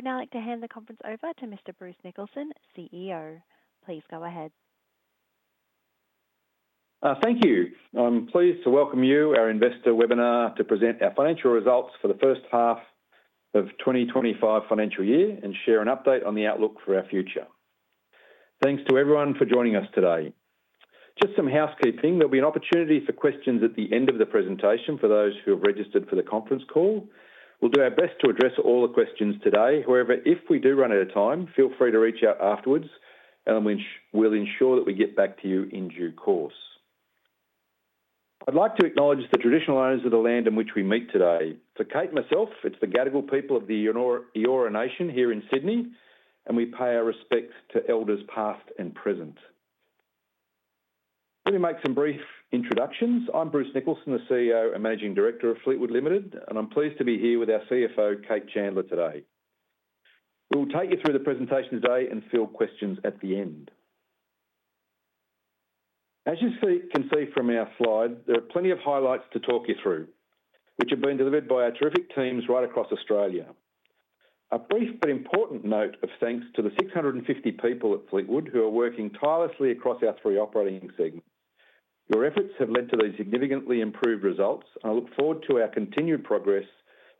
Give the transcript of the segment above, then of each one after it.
I would now like to hand the conference over to Mr. Bruce Nicholson, CEO. Please go ahead. Thank you. I'm pleased to welcome you, our Investor Webinar, to present our Financial Results for the First Half of 2025 Financial Year and share an update on the outlook for our future. Thanks to everyone for joining us today. Just some housekeeping: there will be an opportunity for questions at the end of the presentation for those who have registered for the conference call. We'll do our best to address all the questions today. However, if we do run out of time, feel free to reach out afterwards, and we'll ensure that we get back to you in due course. I'd like to acknowledge the traditional owners of the land in which we meet today. For Cate and myself, it's the Gadigal people of the Eora Nation here in Sydney, and we pay our respects to elders past and present. Let me make some brief introductions. I'm Bruce Nicholson, the CEO and Managing Director of Fleetwood Limited, and I'm pleased to be here with our CFO, Cate Chandler, today. We will take you through the presentation today and field questions at the end. As you can see from our slide, there are plenty of highlights to talk you through, which have been delivered by our terrific teams right across Australia. A brief but important note of thanks to the 650 people at Fleetwood who are working tirelessly across our three operating segments. Your efforts have led to these significantly improved results, and I look forward to our continued progress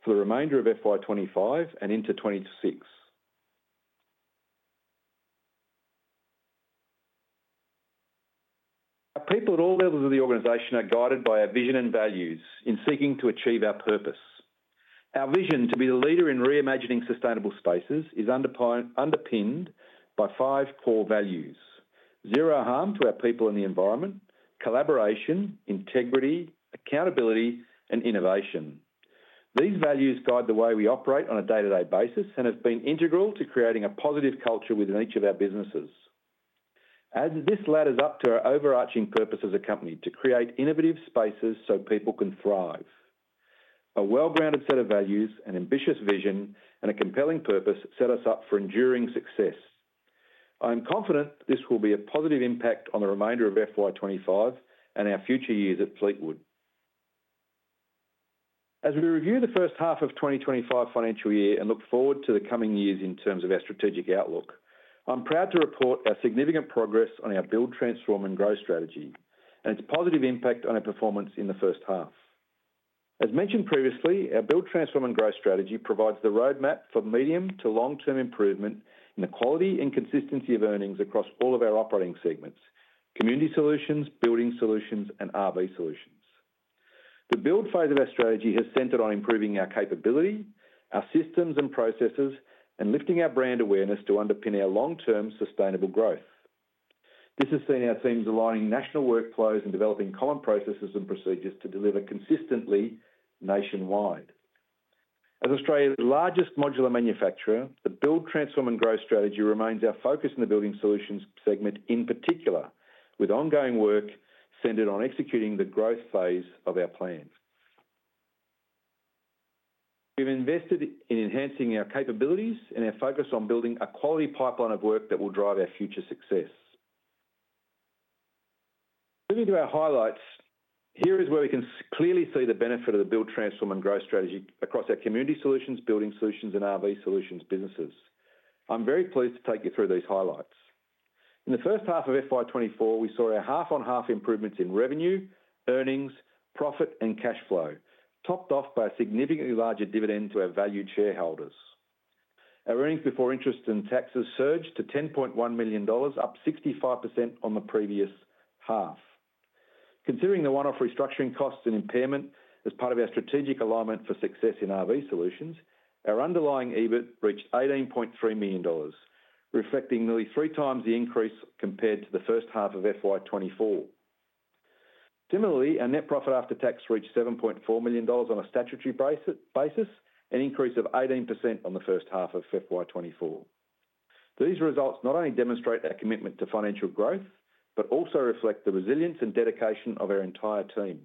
for the remainder of FY25 and into 2026. Our people at all levels of the organization are guided by our vision and values in seeking to achieve our purpose. Our vision to be the leader in reimagining sustainable spaces is underpinned by five core values: zero harm to our people and the environment, collaboration, integrity, accountability, and innovation. These values guide the way we operate on a day-to-day basis and have been integral to creating a positive culture within each of our businesses. This ladders up to our overarching purpose as a company: to create innovative spaces so people can thrive. A well-grounded set of values, an ambitious vision, and a compelling purpose set us up for enduring success. I'm confident this will be a positive impact on the remainder of FY25 and our future years at Fleetwood. As we review the first half of 2025 financial year and look forward to the coming years in terms of our strategic outlook, I'm proud to report our significant progress on our Build, Transform, and Grow strategy and its positive impact on our performance in the first half. As mentioned previously, our Build, Transform, and Grow strategy provides the roadmap for medium to long-term improvement in the quality and consistency of earnings across all of our operating segments: Community Solutions, Building Solutions, and RV Solutions. The build phase of our strategy has centred on improving our capability, our systems and processes, and lifting our brand awareness to underpin our long-term sustainable growth. This has seen our teams aligning national workflows and developing common processes and procedures to deliver consistently nationwide. As Australia's largest modular manufacturer, the Build, Transform, and Grow strategy remains our focus in the Building Solutions segment in particular, with ongoing work centered on executing the growth phase of our plan. We've invested in enhancing our capabilities and our focus on building a quality pipeline of work that will drive our future success. Moving to our highlights, here is where we can clearly see the benefit of the Build, Transform, and Grow strategy across our Community Solutions, Building Solutions, and RV Solutions businesses. I'm very pleased to take you through these highlights. In the first half of FY 2024, we saw a half-on-half improvement in revenue, earnings, profit, and cash flow, topped off by a significantly larger dividend to our valued shareholders. Our earnings before interest and taxes surged to 10.1 million dollars, up 65% on the previous half. Considering the one-off restructuring costs and impairment as part of our strategic alignment for success in RV Solutions, our underlying EBIT reached 18.3 million dollars, reflecting nearly three times the increase compared to the first half of FY 2024. Similarly, our net profit after tax reached 7.4 million dollars on a statutory basis, an increase of 18% on the first half of FY 2024. These results not only demonstrate our commitment to financial growth but also reflect the resilience and dedication of our entire team.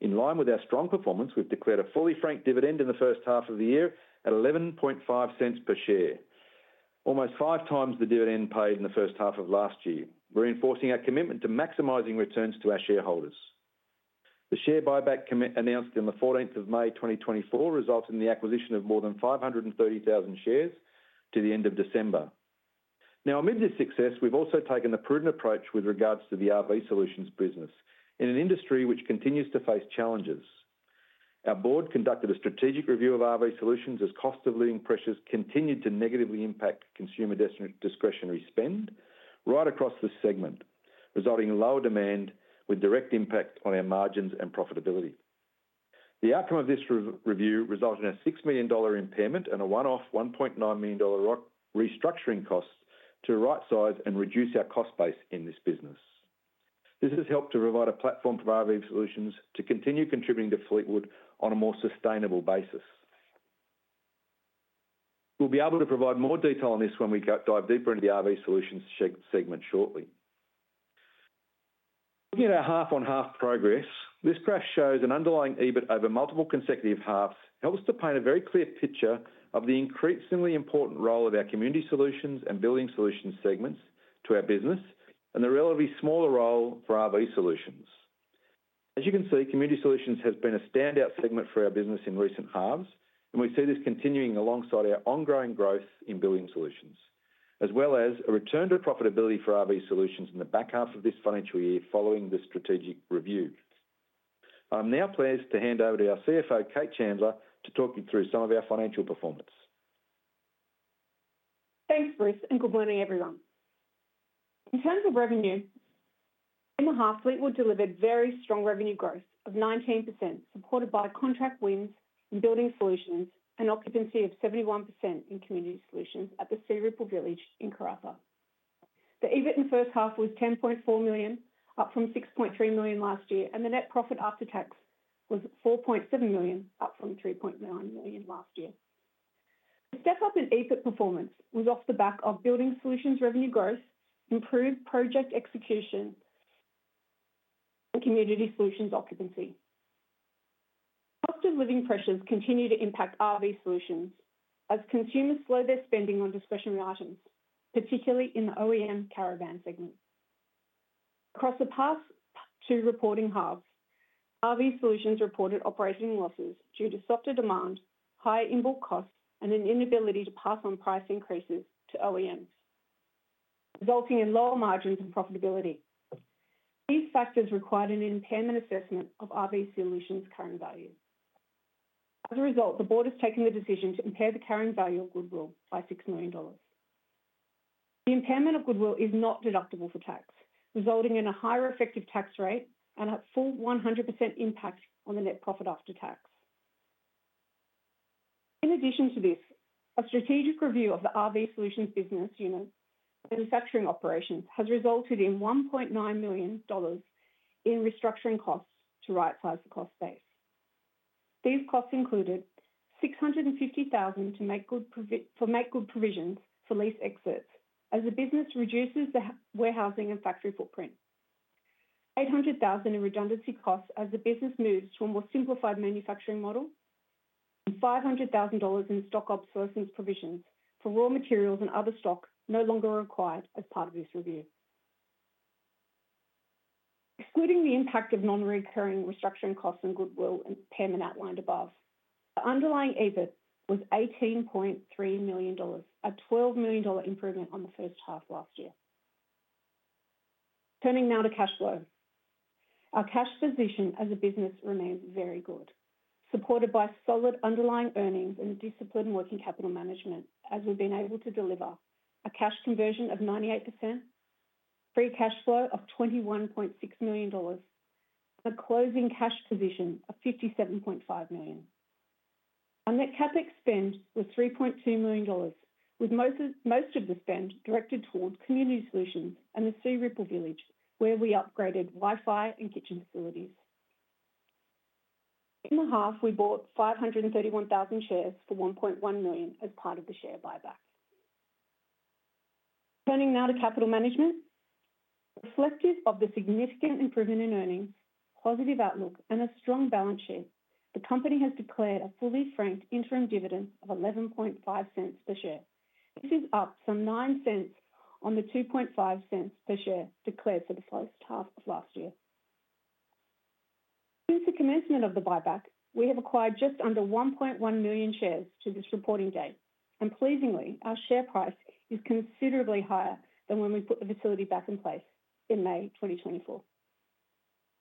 In line with our strong performance, we've declared a fully franked dividend in the first half of the year at 0.115 per share, almost five times the dividend paid in the first half of last year, reinforcing our commitment to maximising returns to our shareholders. The share buyback announced on the 14th of May 2024 resulted in the acquisition of more than 530,000 shares to the end of December. Now, amid this success, we've also taken a prudent approach with regards to the RV Solutions business in an industry which continues to face challenges. Our board conducted a strategic review of RV Solutions as cost-of-living pressures continued to negatively impact consumer discretionary spend right across the segment, resulting in lower demand with direct impact on our margins and profitability. The outcome of this review resulted in a 6 million dollar impairment and a one-off 1.9 million dollar restructuring cost to right-size and reduce our cost base in this business. This has helped to provide a platform for RV Solutions to continue contributing to Fleetwood on a more sustainable basis. We'll be able to provide more detail on this when we dive deeper into the RV Solutions segment shortly. Looking at our half-on-half progress, this graph shows an underlying EBIT over multiple consecutive halves helps to paint a very clear picture of the increasingly important role of our Community Solutions and Building Solutions segments to our business and the relatively smaller role for RV Solutions. As you can see, Community Solutions has been a standout segment for our business in recent halves, and we see this continuing alongside our ongoing growth in Building Solutions, as well as a return to profitability for RV Solutions in the back half of this financial year following the strategic review. I'm now pleased to hand over to our CFO, Cate Chandler, to talk you through some of our financial performance. Thanks, Bruce, and good morning, everyone. In terms of revenue, in the half, Fleetwood delivered very strong revenue growth of 19%, supported by contract wins in Building Solutions and occupancy of 71% in Community Solutions at the Searipple Village in Karratha. The EBIT in the first half was 10.4 million, up from 6.3 million last year, and the net profit after tax was 4.7 million, up from 3.9 million last year. The step-up in EBIT performance was off the back of Building Solutions revenue growth, improved project execution, and Community Solutions occupancy. Cost-of-living pressures continue to impact RV Solutions as consumers slow their spending on discretionary items, particularly in the OEM caravan segment. Across the past two reporting halves, RV Solutions reported operating losses due to softer demand, higher input costs, and an inability to pass on price increases to OEMs, resulting in lower margins and profitability. These factors required an impairment assessment of RV Solutions' current value. As a result, the board has taken the decision to impair the current value of goodwill by 6 million dollars. The impairment of goodwill is not deductible for tax, resulting in a higher effective tax rate and a full 100% impact on the net profit after tax. In addition to this, a strategic review of the RV Solutions business unit manufacturing operations has resulted in 1.9 million dollars in restructuring costs to right-size the cost base. These costs included 650,000 for make good provisions for lease exits as the business reduces the warehousing and factory footprint, 800,000 in redundancy costs as the business moves to a more simplified manufacturing model, and 500,000 dollars in stock obsolescence provisions for raw materials and other stock no longer required as part of this review. Excluding the impact of non-recurring restructuring costs on goodwill and impairment outlined above, the underlying EBIT was 18.3 million dollars, a 12 million dollar improvement on the first half last year. Turning now to cash flow. Our cash position as a business remains very good, supported by solid underlying earnings and disciplined working capital management, as we've been able to deliver a cash conversion of 98%, free cash flow of 21.6 million dollars, and a closing cash position of 57.5 million. Our net CapEx spend was 3.2 million dollars, with most of the spend directed towards Community Solutions and the Searipple Village, where we upgraded Wi-Fi and kitchen facilities. In the half, we bought 531,000 shares for 1.1 million as part of the share buyback. Turning now to capital management. Reflective of the significant improvement in earnings, positive outlook, and a strong balance sheet, the company has declared a fully franked interim dividend of 0.115 per share. This is up some 0.09 on the 0.025 per share declared for the first half of last year. Since the commencement of the buyback, we have acquired just under 1.1 million shares to this reporting date, and pleasingly, our share price is considerably higher than when we put the facility back in place in May 2024.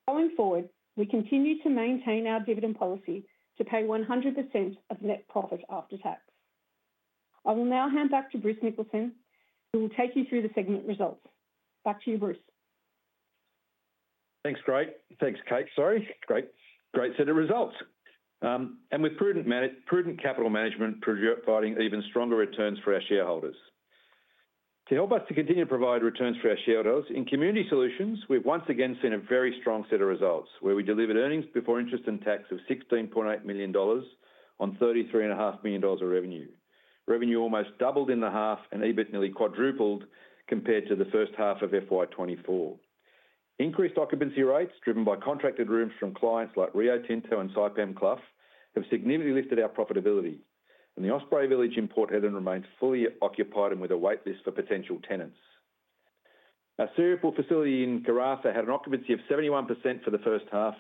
Going forward, we continue to maintain our dividend policy to pay 100% of net profit after tax. I will now hand back to Bruce Nicholson, who will take you through the segment results. Back to you, Bruce. Thanks, Cate. Great, great set of results. With prudent capital management, providing even stronger returns for our shareholders. To help us to continue to provide returns for our shareholders, in Community Solutions, we've once again seen a very strong set of results, where we delivered earnings before interest and tax of 16.8 million dollars on 33.5 million dollars of revenue. Revenue almost doubled in the half and EBIT nearly quadrupled compared to the first half of 2024. Increased occupancy rates, driven by contracted rooms from clients like Rio Tinto and Saipem Clough, have significantly lifted our profitability, and the Osprey Village in Port Hedland remains fully occupied and with a waitlist for potential tenants. Our Searipple facility in Karratha had an occupancy of 71% for the first half,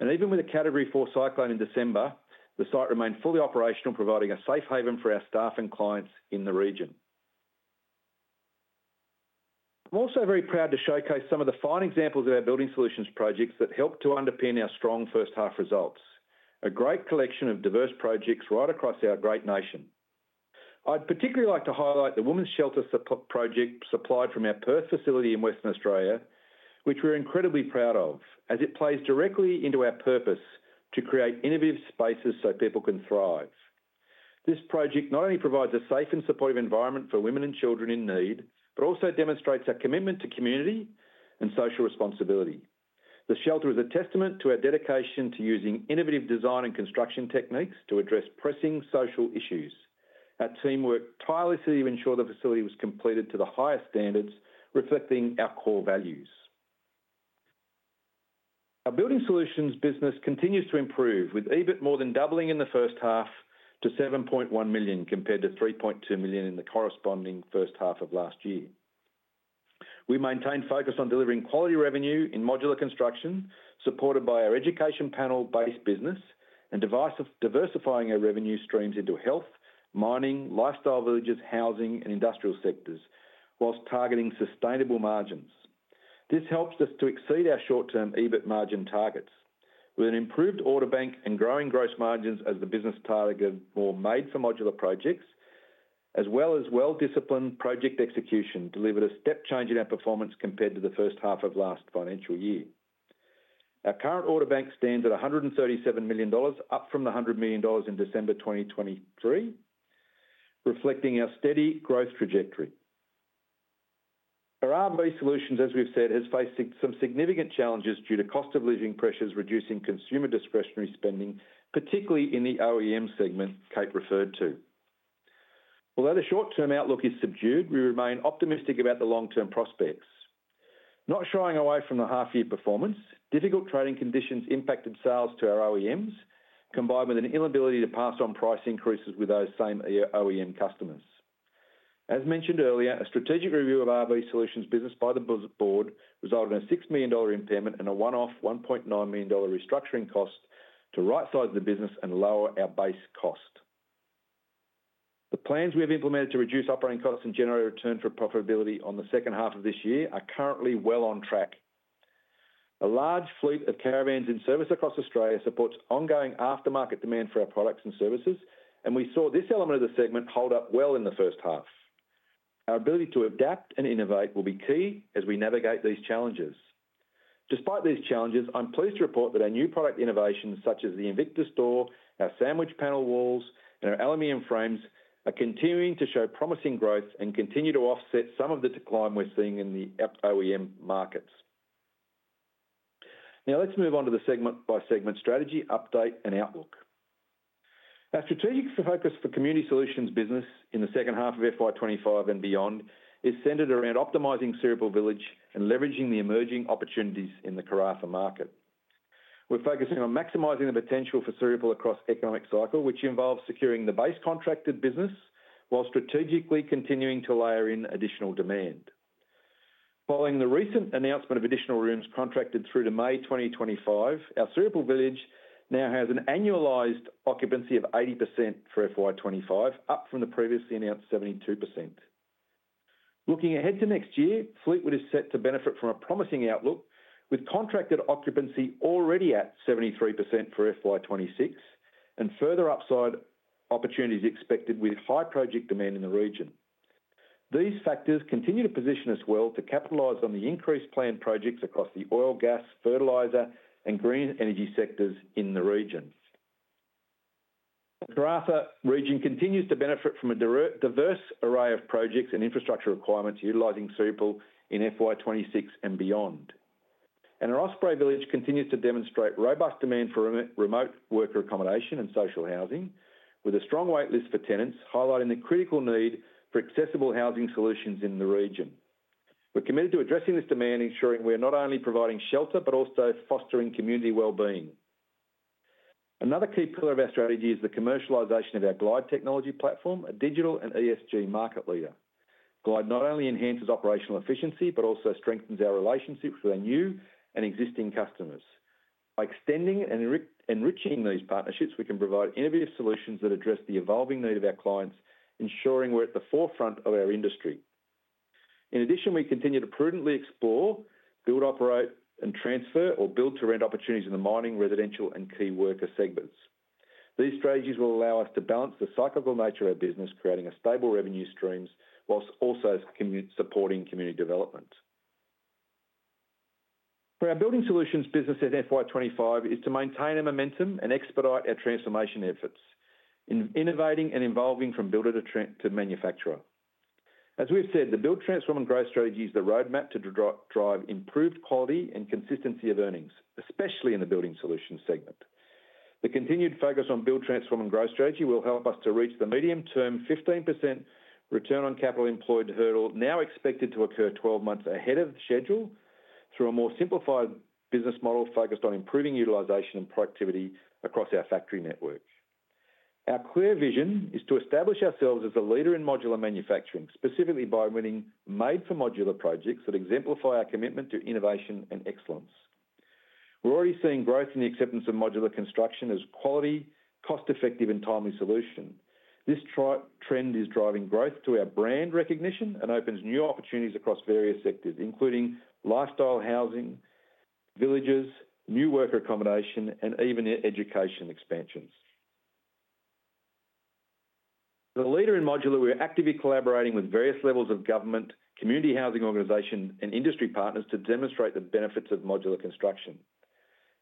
and even with a Category 4 cyclone in December, the site remained fully operational, providing a safe haven for our staff and clients in the region. I'm also very proud to showcase some of the fine examples of our Building Solutions projects that helped to underpin our strong first half results: a great collection of diverse projects right across our great nation. I'd particularly like to highlight the women's shelter project supplied from our Perth facility in Western Australia, which we're incredibly proud of, as it plays directly into our purpose to create innovative spaces so people can thrive. This project not only provides a safe and supportive environment for women and children in need, but also demonstrates our commitment to community and social responsibility. The shelter is a testament to our dedication to using innovative design and construction techniques to address pressing social issues. Our team worked tirelessly to ensure the facility was completed to the highest standards, reflecting our core values. Our Building Solutions business continues to improve, with EBIT more than doubling in the first half to 7.1 million compared to 3.2 million in the corresponding first half of last year. We maintain focus on delivering quality revenue in modular construction, supported by our education panel-based business and diversifying our revenue streams into health, mining, lifestyle villages, housing, and industrial sectors, whilst targeting sustainable margins. This helps us to exceed our short-term EBIT margin targets. With an improved order bank and growing gross margins as the business targeted more made-for-modular projects, as well as well-disciplined project execution, delivered a step change in our performance compared to the first half of last financial year. Our current order bank stands at 137 million dollars, up from the 100 million dollars in December 2023, reflecting our steady growth trajectory. Our RV Solutions, as we've said, has faced some significant challenges due to cost-of-living pressures reducing consumer discretionary spending, particularly in the OEM segment Cate referred to. Although the short-term outlook is subdued, we remain optimistic about the long-term prospects. Not shying away from the half-year performance, difficult trading conditions impacted sales to our OEMs, combined with an inability to pass on price increases with those same OEM customers. As mentioned earlier, a strategic review of RV Solutions business by the board resulted in a 6 million dollar impairment and a one-off 1.9 million dollar restructuring cost to right-size the business and lower our base cost. The plans we have implemented to reduce operating costs and generate return for profitability on the second half of this year are currently well on track. A large fleet of caravans in service across Australia supports ongoing aftermarket demand for our products and services, and we saw this element of the segment hold up well in the first half. Our ability to adapt and innovate will be key as we navigate these challenges. Despite these challenges, I'm pleased to report that our new product innovations, such as the Invictus Door, our sandwich panel walls, and our aluminium frames, are continuing to show promising growth and continue to offset some of the decline we're seeing in the OEM markets. Now, let's move on to the segment-by-segment strategy update and outlook. Our strategic focus for Community Solutions business in the second half of FY25 and beyond is centred around optimising Searipple Village and leveraging the emerging opportunities in the Karratha market. We're focusing on maximising the potential for Searipple across economic cycle, which involves securing the base contracted business while strategically continuing to layer in additional demand. Following the recent announcement of additional rooms contracted through to May 2025, our Searipple Village now has an annualised occupancy of 80% for FY25, up from the previously announced 72%. Looking ahead to next year, Fleetwood is set to benefit from a promising outlook, with contracted occupancy already at 73% for FY 2026 and further upside opportunities expected with high project demand in the region. These factors continue to position us well to capitalize on the increased planned projects across the oil, gas, fertilizer, and green energy sectors in the region. The Karratha region continues to benefit from a diverse array of projects and infrastructure requirements utilizing Searipple Village in FY 2026 and beyond. Our Osprey Village continues to demonstrate robust demand for remote worker accommodation and social housing, with a strong waitlist for tenants, highlighting the critical need for accessible housing solutions in the region. We're committed to addressing this demand, ensuring we're not only providing shelter but also fostering community well-being. Another key pillar of our strategy is the commercialisation of our Glyde technology platform, a digital and ESG market leader. Glyde not only enhances operational efficiency but also strengthens our relationships with our new and existing customers. By extending and enriching these partnerships, we can provide innovative solutions that address the evolving need of our clients, ensuring we're at the forefront of our industry. In addition, we continue to prudently explore, build, operate, and transfer or build-to-rent opportunities in the mining, residential, and key worker segments. These strategies will allow us to balance the cyclical nature of our business, creating stable revenue streams whilst also supporting community development. For our Building Solutions business at FY 2025 is to maintain our momentum and expedite our transformation efforts, innovating and evolving from builder to manufacturer. As we've said, the build, transform, and grow strategy is the roadmap to drive improved quality and consistency of earnings, especially in the Building Solutions segment. The continued focus on build, transform, and grow strategy will help us to reach the medium-term 15% return on capital employed hurdle, now expected to occur 12 months ahead of schedule, through a more simplified business model focused on improving utilization and productivity across our factory network. Our clear vision is to establish ourselves as a leader in modular manufacturing, specifically by winning made-for-modular projects that exemplify our commitment to innovation and excellence. We're already seeing growth in the acceptance of modular construction as a quality, cost-effective, and timely solution. This trend is driving growth to our brand recognition and opens new opportunities across various sectors, including lifestyle housing, villages, new worker accommodation, and even education expansions. As a leader in modular, we're actively collaborating with various levels of government, community housing organisations, and industry partners to demonstrate the benefits of modular construction.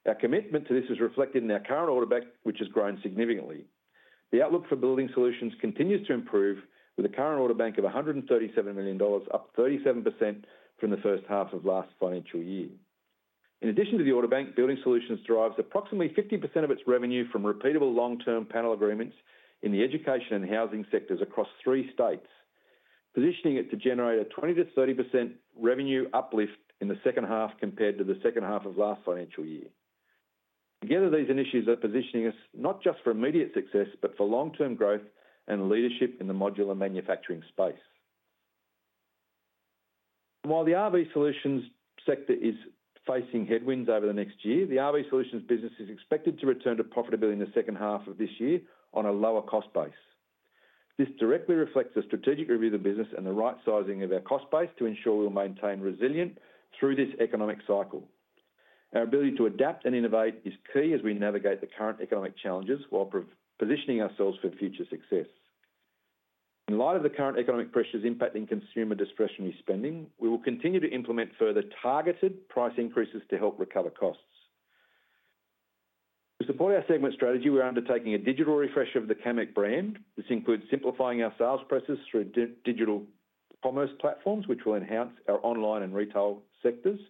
Our commitment to this is reflected in our current order bank, which has grown significantly. The outlook for Building Solutions continues to improve, with a current order bank of 137 million dollars, up 37% from the first half of last financial year. In addition to the order bank, Building Solutions derives approximately 50% of its revenue from repeatable long-term panel agreements in the education and housing sectors across three states, positioning it to generate a 20%-30% revenue uplift in the second half compared to the second half of last financial year. Together, these initiatives are positioning us not just for immediate success, but for long-term growth and leadership in the modular manufacturing space. While the RV Solutions sector is facing headwinds over the next year, the RV Solutions business is expected to return to profitability in the second half of this year on a lower cost base. This directly reflects a strategic review of the business and the right-sizing of our cost base to ensure we'll maintain resilience through this economic cycle. Our ability to adapt and innovate is key as we navigate the current economic challenges while positioning ourselves for future success. In light of the current economic pressures impacting consumer discretionary spending, we will continue to implement further targeted price increases to help recover costs. To support our segment strategy, we're undertaking a digital refresh of the Camec brand. This includes simplifying our sales process through digital commerce platforms, which will enhance our online and retail sectors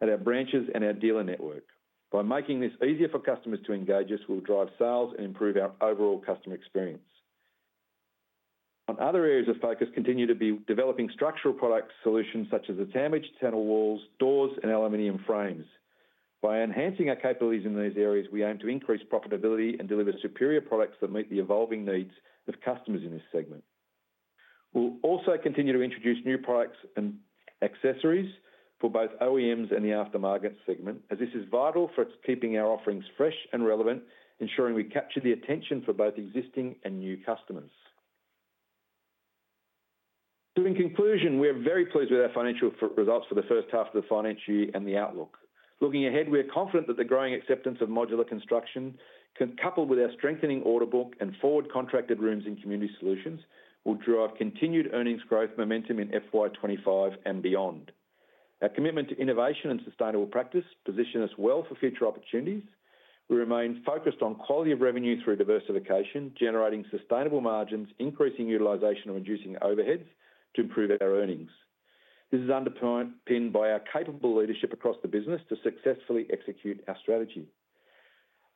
at our branches and our dealer network. By making this easier for customers to engage us, we'll drive sales and improve our overall customer experience. On other areas of focus, we continue to be developing structural product solutions such as the sandwich panel walls, doors, and aluminium frames. By enhancing our capabilities in these areas, we aim to increase profitability and deliver superior products that meet the evolving needs of customers in this segment. We'll also continue to introduce new products and accessories for both OEMs and the aftermarket segment, as this is vital for keeping our offerings fresh and relevant, ensuring we capture the attention for both existing and new customers. In conclusion, we are very pleased with our financial results for the first half of the financial year and the outlook. Looking ahead, we are confident that the growing acceptance of modular construction, coupled with our strengthening order book and forward contracted rooms in Community Solutions, will drive continued earnings growth momentum in FY 2025 and beyond. Our commitment to innovation and sustainable practice positions us well for future opportunities. We remain focused on quality of revenue through diversification, generating sustainable margins, increasing utilisation and reducing overheads to improve our earnings. This is underpinned by our capable leadership across the business to successfully execute our strategy.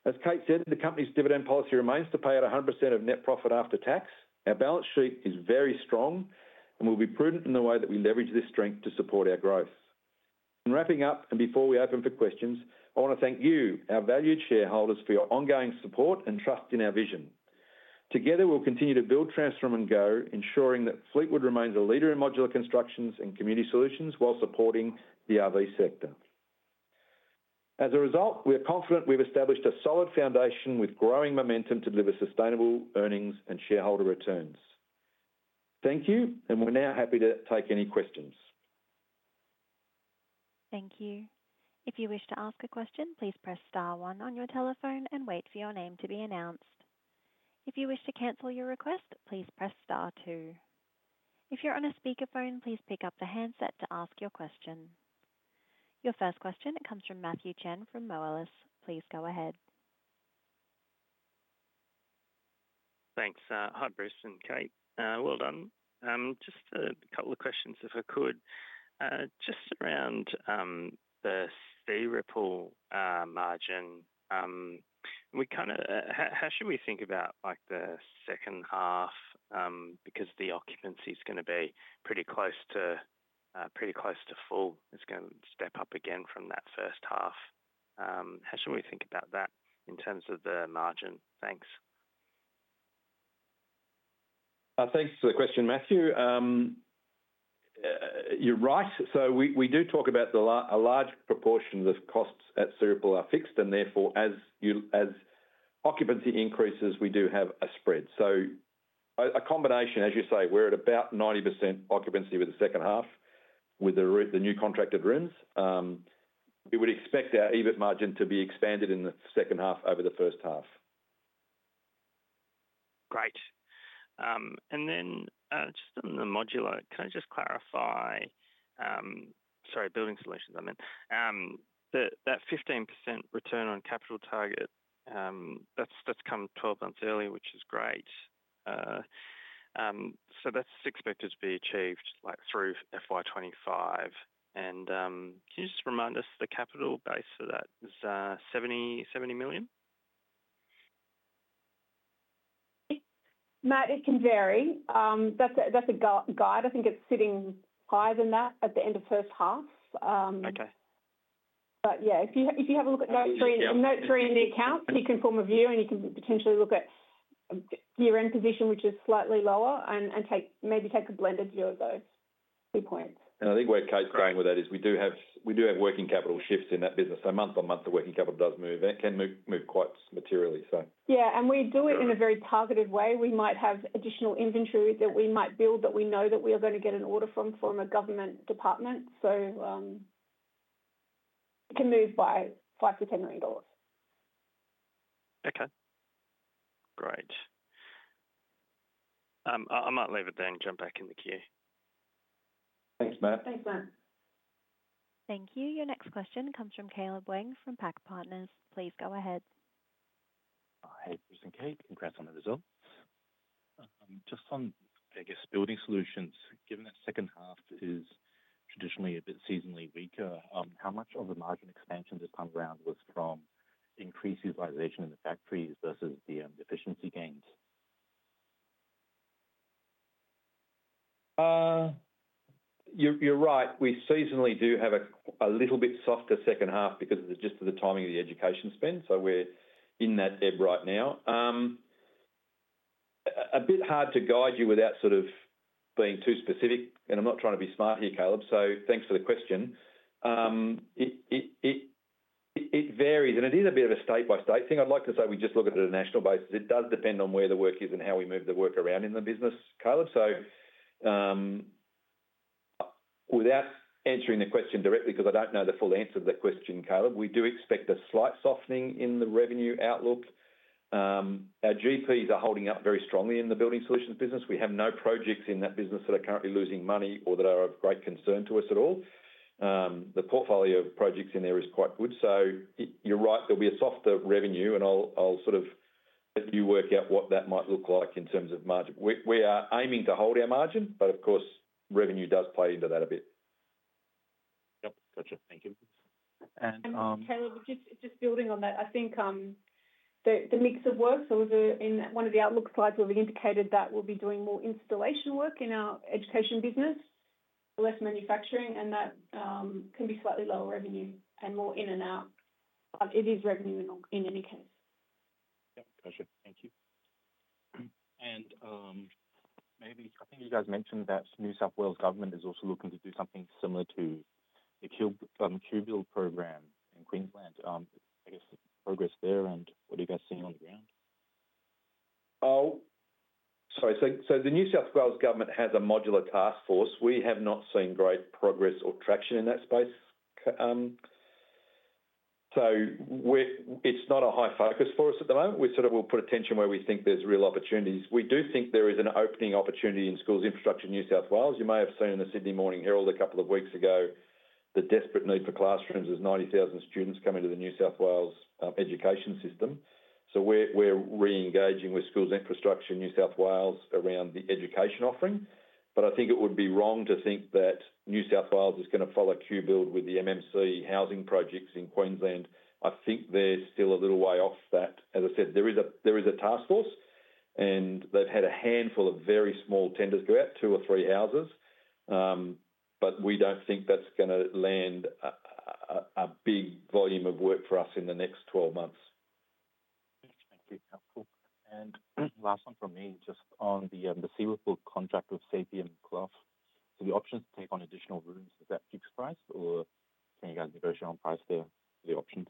As Cate said, the company's dividend policy remains to pay at 100% of net profit after tax. Our balance sheet is very strong, and we'll be prudent in the way that we leverage this strength to support our growth. In wrapping up and before we open for questions, I want to thank you, our valued shareholders, for your ongoing support and trust in our vision. Together, we'll continue to build, transform, and grow, ensuring that Fleetwood remains a leader in modular constructions and Community Solutions while supporting the RV sector. As a result, we're confident we've established a solid foundation with growing momentum to deliver sustainable earnings and shareholder returns. Thank you, and we're now happy to take any questions. Thank you. If you wish to ask a question, please press star one on your telephone and wait for your name to be announced. If you wish to cancel your request, please press star two. If you're on a speakerphone, please pick up the handset to ask your question. Your first question comes from Matthew Chen from Moelis. Please go ahead. Thanks, Bruce and Cate. Well done. Just a couple of questions, if I could. Just around the Searipple margin, how should we think about the second half? Because the occupancy is going to be pretty close to full. It's going to step up again from that first half. How should we think about that in terms of the margin? Thanks. Thanks for the question, Matthew. You're right. We do talk about a large proportion of costs at Searipple are fixed, and therefore, as occupancy increases, we do have a spread. A combination, as you say, we're at about 90% occupancy with the second half with the new contracted rooms. We would expect our EBIT margin to be expanded in the second half over the first half. Great. Just on the modular, can I just clarify—sorry, Building Solutions, I meant—that 15% return on capital target, that's come 12 months early, which is great. That is expected to be achieved through FY 2025. Can you just remind us the capital base for that is 70 million? Matt, it can vary. That's a guide. I think it's sitting higher than that at the end of first half. If you have a look at note three in the account, you can form a view, and you can potentially look at year-end position, which is slightly lower, and maybe take a blended view of those two points. I think where Cate's going with that is we do have working capital shifts in that business. Month on month, the working capital does move, and it can move quite materially. We do it in a very targeted way. We might have additional inventory that we might build that we know that we are going to get an order from a government department. It can move by 5-10 million dollars. Okay. Great. I might leave it there and jump back in the queue. Thanks, Matt. Thanks, Matt. Thank you. Your next question comes from Caleb Weng from PAC Partners. Please go ahead. Hi, Bruce and Cate. Congrats on the results. Just on, I guess, Building Solutions, given that second half is traditionally a bit seasonally weaker, how much of the margin expansion this time around was from increased utilization in the factories versus the efficiency gains? You're right. We seasonally do have a little bit softer second half because of just the timing of the education spend. We are in that ebb right now. A bit hard to guide you without sort of being too specific, and I'm not trying to be smart here, Caleb, so thanks for the question. It varies, and it is a bit of a state-by-state thing. I'd like to say we just look at it at a national basis. It does depend on where the work is and how we move the work around in the business, Caleb. Without answering the question directly, because I don't know the full answer to that question, Caleb, we do expect a slight softening in the revenue outlook. Our GPs are holding up very strongly in the Building Solutions business. We have no projects in that business that are currently losing money or that are of great concern to us at all. The portfolio of projects in there is quite good. You're right, there'll be a softer revenue, and I'll sort of let you work out what that might look like in terms of margin. We are aiming to hold our margin, but of course, revenue does play into that a bit. Yep. Gotcha. Thank you. Caleb, just building on that, I think the mix of work, so in one of the outlook slides, we've indicated that we'll be doing more installation work in our education business, less manufacturing, and that can be slightly lower revenue and more in and out. It is revenue in any case. Yep. Gotcha. Thank you. Maybe I think you guys mentioned that New South Wales government is also looking to do something similar to the QBuild program in Queensland. I guess progress there and what are you guys seeing on the ground? Sorry. The New South Wales government has a modular task force. We have not seen great progress or traction in that space. It is not a high focus for us at the moment. We sort of will put attention where we think there's real opportunities. We do think there is an opening opportunity in School Infrastructure in New South Wales. You may have seen in the Sydney Morning Herald a couple of weeks ago, the desperate need for classrooms as 90,000 students come into the New South Wales education system. We're re-engaging with School Infrastructure in New South Wales around the education offering. I think it would be wrong to think that New South Wales is going to follow QBuild with the MMC housing projects in Queensland. I think they're still a little way off that. As I said, there is a task force, and they've had a handful of very small tenders go out, two or three houses. We don't think that's going to land a big volume of work for us in the next 12 months. Thank you. Helpful. And last one from me, just on the Searipple contract with Saipem and Clough. So the options to take on additional rooms, is that fixed price, or can you guys negotiate on price there for the options?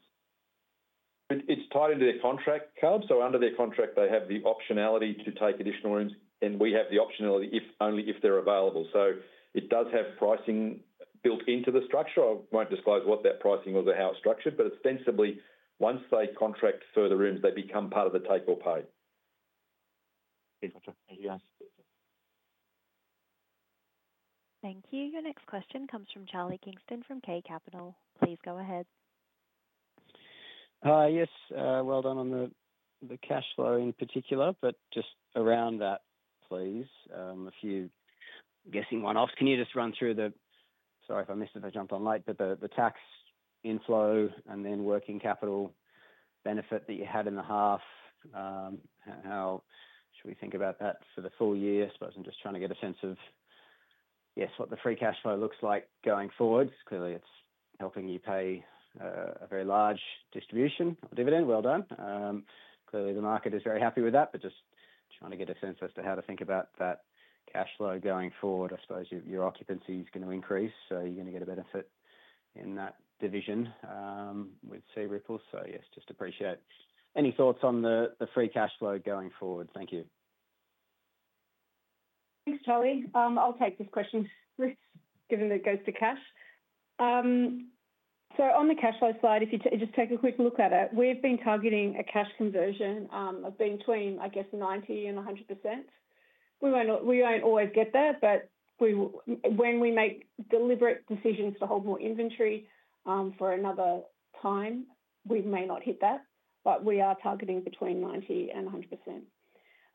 It's tied into their contract, Caleb. So under their contract, they have the optionality to take additional rooms, and we have the optionality only if they're available. So it does have pricing built into the structure. I won't disclose what that pricing was or how it's structured, but ostensibly, once they contract further rooms, they become part of the take or pay. Gotcha. Thank you, guys. Thank you. Your next question comes from Charlie Kingston from K Capital. Please go ahead. Yes. Well done on the cash flow in particular, but just around that, please. If you're guessing one off, can you just run through the—sorry if I missed it, if I jumped on late, but the tax inflow and then working capital benefit that you had in the half, how should we think about that for the full year? I suppose I'm just trying to get a sense of, yes, what the free cash flow looks like going forward. Clearly, it's helping you pay a very large distribution of dividend. Well done. Clearly, the market is very happy with that, just trying to get a sense as to how to think about that cash flow going forward. I suppose your occupancy is going to increase, so you're going to get a benefit in that division with Searipple. Yes, just appreciate any thoughts on the free cash flow going forward. Thank you. Thanks, Charlie. I'll take this question, Bruce, given that it goes to cash. On the cash flow slide, if you just take a quick look at it, we've been targeting a cash conversion of between, I guess, 90% and 100%. We won't always get there, but when we make deliberate decisions to hold more inventory for another time, we may not hit that, but we are targeting between 90% and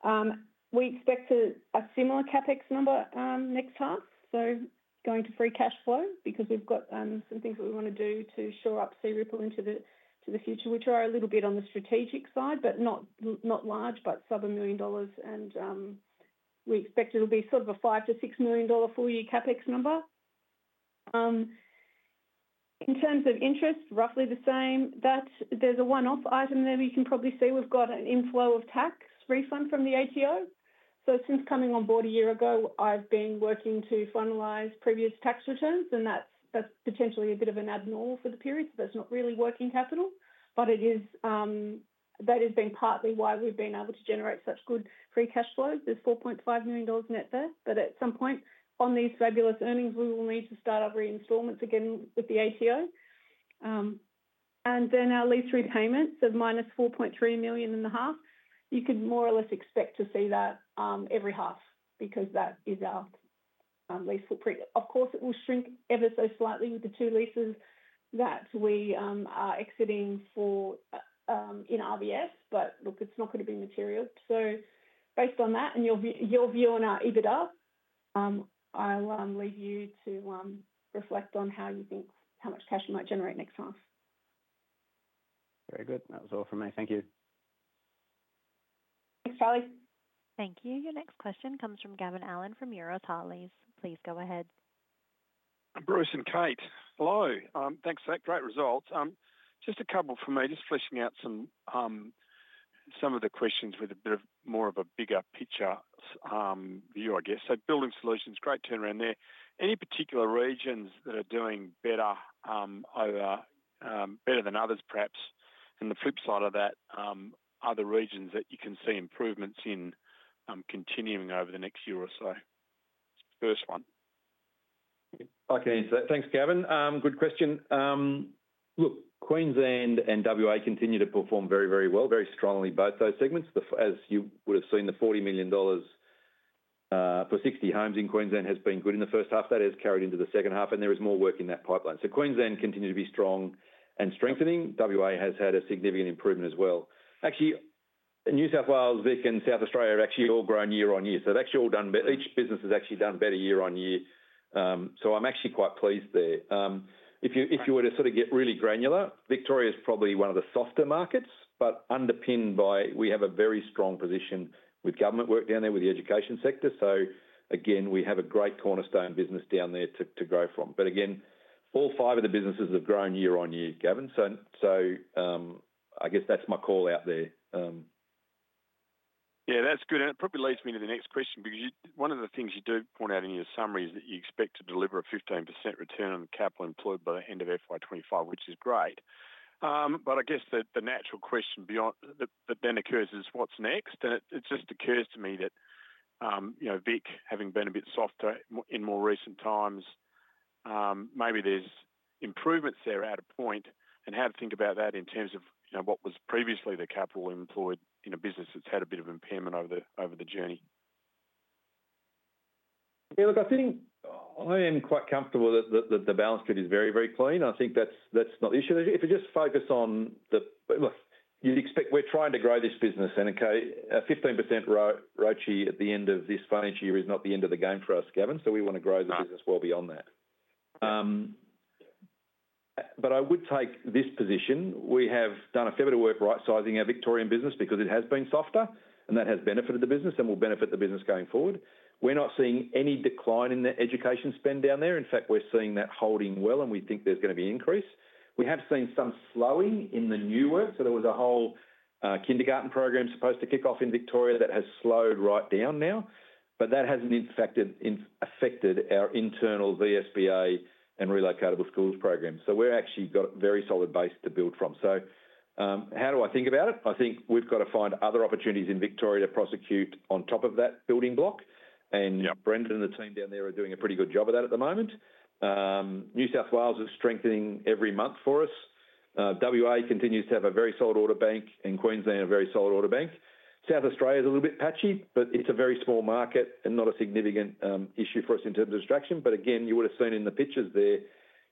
100%. We expect a similar CapEx number next half, going to free cash flow because we've got some things that we want to do to shore up Searipple into the future, which are a little bit on the strategic side, but not large, but sub 1 million dollars. We expect it'll be sort of an 5 million-6 million dollar full year CapEx number. In terms of interest, roughly the same. There's a one-off item there we can probably see. We've got an inflow of tax refund from the ATO. Since coming on board a year ago, I've been working to finalize previous tax returns, and that's potentially a bit of an abnormal for the period, so that's not really working capital. That has been partly why we've been able to generate such good free cash flows. There's 4.5 million dollars net there. At some point on these fabulous earnings, we will need to start our reinstallments again with the ATO. Our lease repayments of minus 4.3 million in the half, you could more or less expect to see that every half because that is our lease footprint. Of course, it will shrink ever so slightly with the two leases that we are exiting in RVS, but look, it's not going to be material. Based on that and your view on our EBITDA, I'll leave you to reflect on how you think how much cash you might generate next half. Very good. That was all from me. Thank you. Thanks, Charlie. Thank you. Your next question comes from Gavin Allen from Euroz Hartleys. Please go ahead. Bruce and Cate, hello. Thanks for that great result. Just a couple for me, just fleshing out some of the questions with a bit more of a bigger picture view, I guess. Building Solutions, great turnaround there. Any particular regions that are doing better than others, perhaps? The flip side of that, other regions that you can see improvements in continuing over the next year or so? First one. I can answer that. Thanks, Gavin. Good question. Look, Queensland and Western Australia continue to perform very, very well, very strongly, both those segments. As you would have seen, the 40 million dollars for 60 homes in Queensland has been good in the first half. That has carried into the second half, and there is more work in that pipeline. Queensland continues to be strong and strengthening. Western Australia has had a significant improvement as well. Actually, New South Wales, Victoria, and South Australia have actually all grown year on year. They have actually all done better. Each business has actually done better year on year. I am actually quite pleased there. If you were to sort of get really granular, Victoria is probably one of the softer markets, but underpinned by we have a very strong position with government work down there with the education sector. Again, we have a great cornerstone business down there to grow from. Again, all five of the businesses have grown year on year, Gavin. I guess that's my call out there. Yeah, that's good. It probably leads me to the next question because one of the things you do point out in your summary is that you expect to deliver a 15% return on capital employed by the end of FY 2025, which is great. I guess the natural question that then occurs is what's next? It just occurs to me that Vic, having been a bit softer in more recent times, maybe there's improvements there out of point. How to think about that in terms of what was previously the capital employed in a business that's had a bit of impairment over the journey? Yeah, look, I think I am quite comfortable that the balance sheet is very, very clean. I think that's not the issue. If you just focus on the look, you'd expect we're trying to grow this business. A 15% ROCE at the end of this financial year is not the end of the game for us, Gavin. We want to grow the business well beyond that. I would take this position. We have done a fair bit of work right-sizing our Victorian business because it has been softer, and that has benefited the business and will benefit the business going forward. We're not seeing any decline in the education spend down there. In fact, we're seeing that holding well, and we think there's going to be an increase. We have seen some slowing in the new work. There was a whole kindergarten program supposed to kick off in Victoria that has slowed right down now. That hasn't affected our internal VSBA and relocatable schools program. We've actually got a very solid base to build from. How do I think about it? I think we've got to find other opportunities in Victoria to prosecute on top of that building block. Brendan and the team down there are doing a pretty good job of that at the moment. New South Wales is strengthening every month for us. WA continues to have a very solid order bank, and Queensland a very solid order bank. South Australia is a little bit patchy, but it's a very small market and not a significant issue for us in terms of distraction. Again, you would have seen in the pictures there,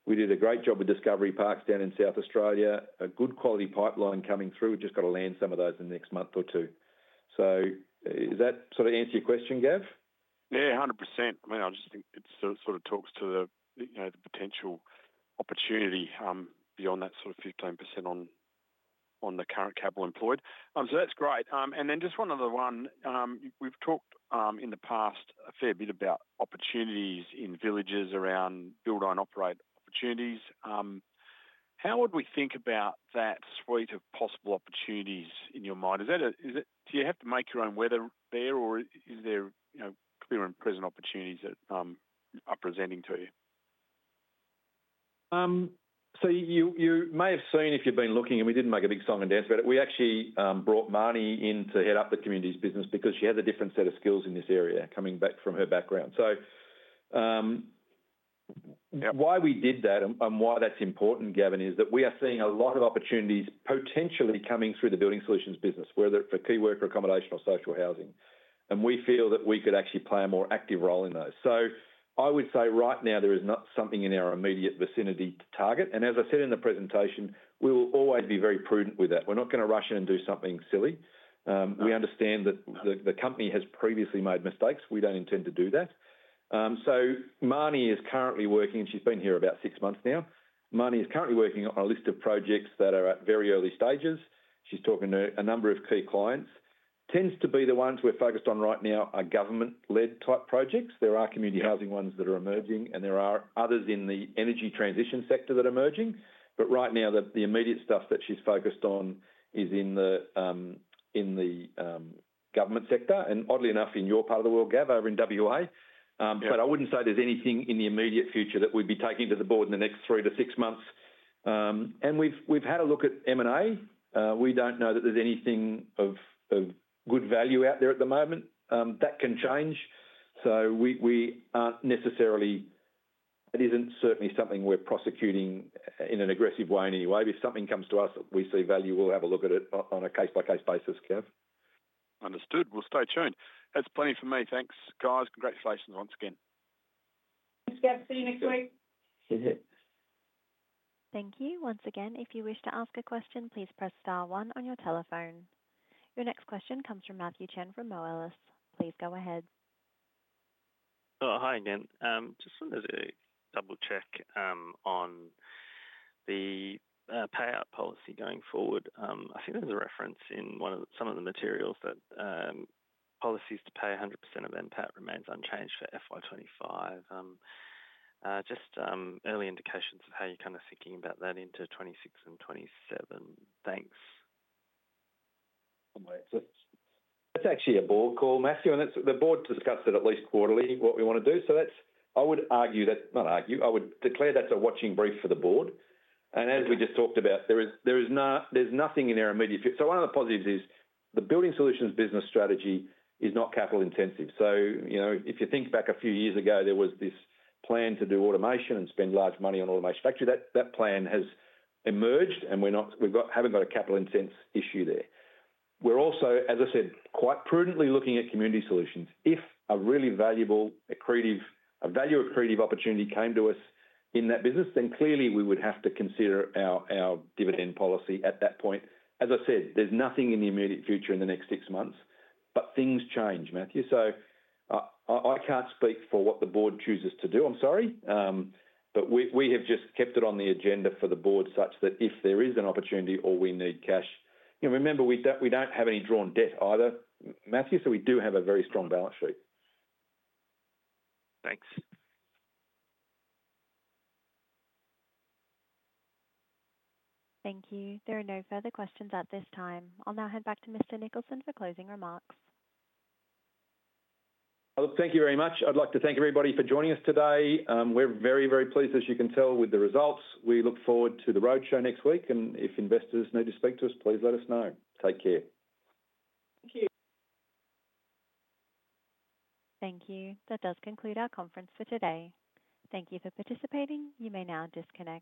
we did a great job with Discovery Parks down in South Australia, a good quality pipeline coming through. We've just got to land some of those in the next month or two. Does that sort of answer your question, Gav? Yeah, 100%. I mean, I just think it sort of talks to the potential opportunity beyond that sort of 15% on the current capital employed. That's great. Just one other one. We've talked in the past a fair bit about opportunities in villages around build-own-operate opportunities. How would we think about that suite of possible opportunities in your mind? Do you have to make your own weather there, or are there clear and present opportunities that are presenting to you? You may have seen if you've been looking, and we didn't make a big song and dance about it. We actually brought Marnie in to head up the Community's business because she has a different set of skills in this area coming back from her background. Why we did that and why that's important, Gavin, is that we are seeing a lot of opportunities potentially coming through the Building Solutions business, whether it's for key worker accommodation or social housing. We feel that we could actually play a more active role in those. I would say right now there is not something in our immediate vicinity to target. As I said in the presentation, we will always be very prudent with that. We're not going to rush in and do something silly. We understand that the company has previously made mistakes. We don't intend to do that. Marnie is currently working, and she's been here about six months now. Marnie is currently working on a list of projects that are at very early stages. She's talking to a number of key clients. Tends to be the ones we're focused on right now are government-led type projects. There are community housing ones that are emerging, and there are others in the energy transition sector that are emerging. Right now, the immediate stuff that she's focused on is in the government sector. Oddly enough, in your part of the world, Gav, over in WA. I wouldn't say there's anything in the immediate future that we'd be taking to the board in the next three to six months. We've had a look at M&A. We don't know that there's anything of good value out there at the moment. That can change. We aren't necessarily, that isn't certainly something we're prosecuting in an aggressive way in any way. If something comes to us that we see value, we'll have a look at it on a case-by-case basis, Gav. Understood. We'll stay tuned. That's plenty for me. Thanks, guys. Congratulations once again. Thanks, Gav. See you next week. Thank you. Once again, if you wish to ask a question, please press star one on your telephone. Your next question comes from Matthew Chen from Moelis. Please go ahead. Hi, again. Just wanted to double-check on the payout policy going forward. I think there's a reference in some of the materials that policy is to pay 100% of NPAT remains unchanged for FY 2025. Just early indications of how you're kind of thinking about that into 2026 and 2027. Thanks. That's actually a board call, Matthew. The board discusses it at least quarterly, what we want to do. I would argue that—not argue. I would declare that's a watching brief for the board. As we just talked about, there's nothing in our immediate future. One of the positives is the Building Solutions business strategy is not capital-intensive. If you think back a few years ago, there was this plan to do automation and spend large money on automation factories. That plan has emerged, and we have not got a capital-intense issue there. We are also, as I said, quite prudently looking at Community Solutions. If a really valuable, a value-accretive opportunity came to us in that business, then clearly we would have to consider our dividend policy at that point. As I said, there is nothing in the immediate future in the next six months, but things change, Matthew. I cannot speak for what the board chooses to do, I am sorry. We have just kept it on the agenda for the board such that if there is an opportunity or we need cash, remember, we do not have any drawn debt either, Matthew. We do have a very strong balance sheet. Thanks. Thank you. There are no further questions at this time. I'll now hand back to Mr. Nicholson for closing remarks. Thank you very much. I'd like to thank everybody for joining us today. We're very, very pleased, as you can tell, with the results. We look forward to the roadshow next week. If investors need to speak to us, please let us know. Take care. Thank you. Thank you. That does conclude our conference for today. Thank you for participating. You may now disconnect.